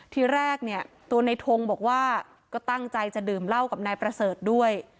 ทีแรกเนี่ยตัวในทงบอกว่าก็ตั้งใจจะดื่มเหล้ากับนายประเสริฐด้วย